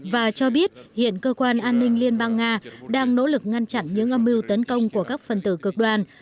và cho biết hiện cơ quan an ninh liên bang nga đang nỗ lực ngăn chặn những âm mưu tấn công của các phần tử cực đoan